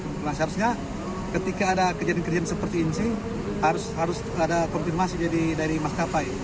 karena seharusnya ketika ada kejadian kejadian seperti ini sih harus ada konfirmasi dari maskapai